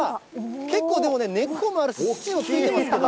結構、でもね、根っこが大きいのついてますけど。